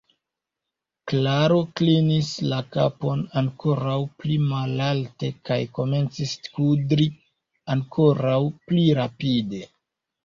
Klaro klinis la kapon ankoraŭ pli malalte kaj komencis kudri ankoraŭ pli rapide.